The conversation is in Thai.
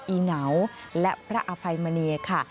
ีเหนาและพระอภัยมณีค่ะ